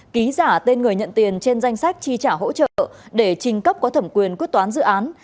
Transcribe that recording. ký giả tên người nhận tiền trên danh sách chi trả hỗ trợ để trình cấp có thẩm quyền quyết toán dự án